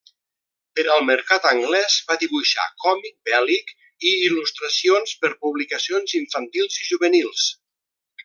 Per al mercat anglès va dibuixar còmic bèl·lic, i il·lustracions per publicacions infantils i juvenils.